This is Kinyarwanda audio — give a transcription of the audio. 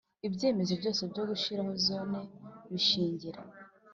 Ibyemezo byose byo gushyiraho Zone bishingira